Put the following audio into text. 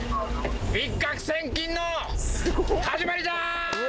一攫千金の始まりじゃ！